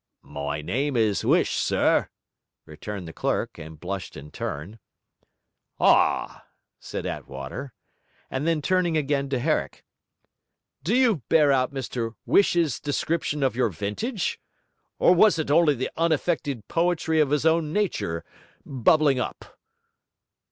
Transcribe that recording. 'My name is 'Uish, sir,' returned the clerk, and blushed in turn. 'Ah!' said Attwater. And then turning again to Herrick, 'Do you bear out Mr Whish's description of your vintage? or was it only the unaffected poetry of his own nature bubbling up?'